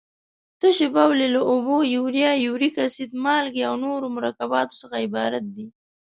تشې بولې له اوبو، یوریا، یوریک اسید، مالګې او نورو مرکباتو څخه عبارت دي.